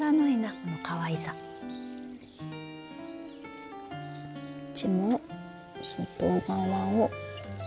こっちも外側を。